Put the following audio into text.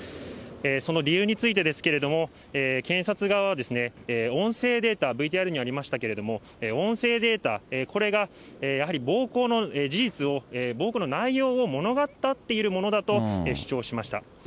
その理由についてですけれども、検察側は、音声データ、ＶＴＲにありましたけれども、音声データ、これがやはり暴行の事実を、暴行の内容を物語っているものだと主張しました。